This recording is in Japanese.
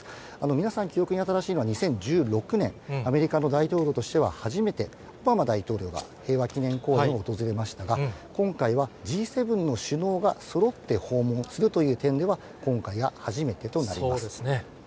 皆さん、記憶に新しいのは２０１６年、アメリカの大統領としては初めて、オバマ大統領が平和記念公園を訪れましたが、今回はＧ７の首脳がそろって訪問するという点では、今回が初めてそうですね。